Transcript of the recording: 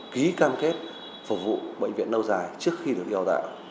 ký cam kết phục vụ bệnh viện lâu dài trước khi được đào tạo